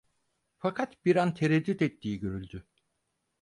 Fakat bir an tereddüt ettiği görüldü.